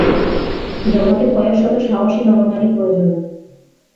জগতে কয়েক শত সাহসী নরনারী প্রয়োজন।